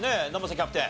キャプテン